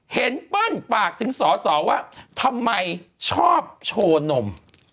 เปิ้ลปากถึงสอสอว่าทำไมชอบโชว์นม